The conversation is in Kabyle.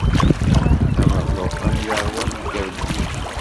Am llufan yeṛwan deg yirebbi-w.